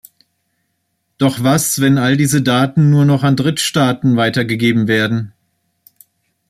Doch was, wenn all diese Daten nur noch an Drittstaaten weitergegeben werden?